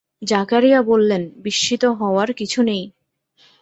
জাকারিয়া বললেন, বিস্মিত হবার কিছু নেই।